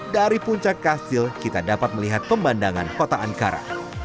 dari puncak kastil kita dapat melihat pemandangan kota ankara